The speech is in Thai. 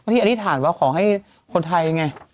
ที่อธินฐานจะเอาของให้คนไทยไง